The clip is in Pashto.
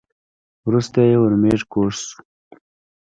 وروسته یې ورمېږ کوږ شو .